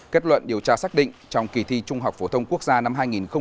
kết luận điều tra xác định trong kỳ thi trung học phổ thông quốc gia năm hai nghìn một mươi tám